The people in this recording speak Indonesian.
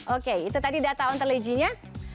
oke itu tadi data untuk lejinya